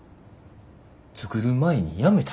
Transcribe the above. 作る前に辞めた。